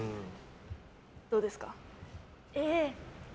どうですか？